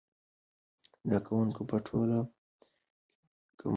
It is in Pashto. زده کوونکي په ټولګي کې ګرامر لولي.